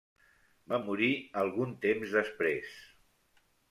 Va morir algun temps després.